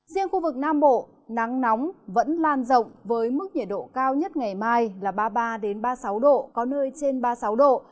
riêng khu vực nam bộ nắng nóng vẫn lan rộng với mức nhiệt độ cao nhất ngày mai là ba mươi ba ba mươi sáu độ có nơi trên ba mươi sáu độ